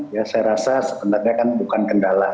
ya saya rasa sebenarnya kan bukan kendala